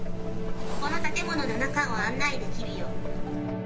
この建物の中を案内できるよ。